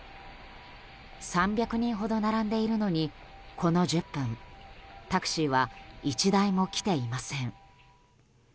３００人ほど並んでいるのにこの１０分タクシーは１台も来ていません。